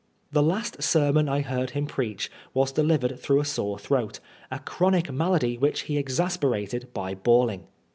The last sermon I heard him preach was delivered through a sore throat, a chronic malady which he exasperated by bawling.